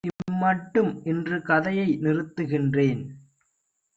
"இம்மட்டும் இன்று கதையை நிறுத்துகின்றேன்;